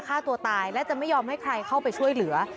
ฆ่าตัวตายและจะไม่ยอมให้ใครเข้าไปช่วยเหลือ